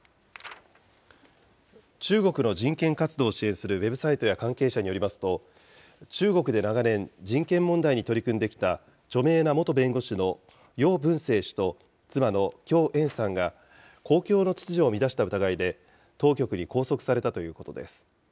中国の人権活動を支援するウェブサイトや関係者によりますと、中国で長年、人権問題に取り組んできた著名な元弁護士の余文生氏と妻の許艶さんが、公共の秩序を乱した疑いで当局に拘束されたということです。